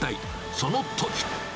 そのとき。